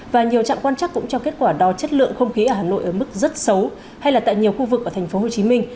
và nhiều trạm quan chắc cũng cho kết quả đo chất lượng không khí ở hà nội ở mức rất xấu hay là tại nhiều khu vực ở thành phố hồ chí minh